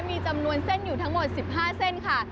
มีจำนวนเส้นอยู่ทั้งหมด๑๕เส้นค่ะ